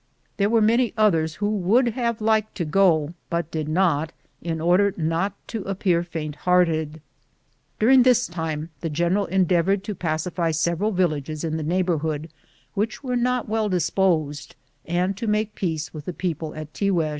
There were many others who would have liked to go, but did not, in order not to ap pear faint hearted. During this time the general endeavored to pacify several villages in the neighborhood which were not well disposed, and to make peace with the people at Tiguex.